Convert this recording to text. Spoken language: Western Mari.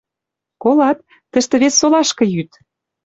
Колат, тӹштӹ вес солашкы йӱт».